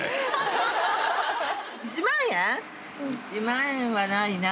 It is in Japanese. １万円はないな。